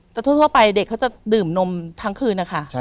แต่ทั่วไปเด็กเขาจะดื่มนมทั้งคืนนะคะ